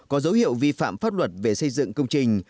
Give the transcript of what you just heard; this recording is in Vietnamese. có dấu hiệu vi phạm pháp luật về xây dựng công trình